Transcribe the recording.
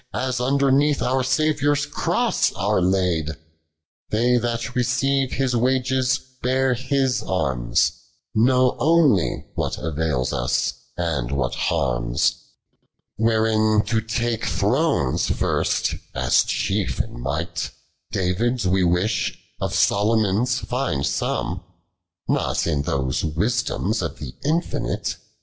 As underneath our Saviour s cross are laid : They that receive His wages, bear His arms, Know onely what avails us, and what harms. 91. Wherein to take thrones first, as chief in nii*>ht David's we wish, of Salomon's find some, !Not in those wisdoms of the infinite.